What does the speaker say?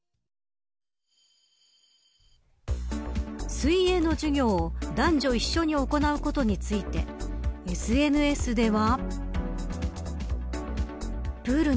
水泳の授業を男女一緒に行うことについてＳＮＳでは。